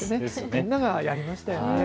みんながやりましたよね。